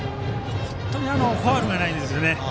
本当にファウルがないんですよね。